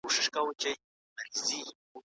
که کالي پریمنځو نو خارښت نه پیدا کیږي.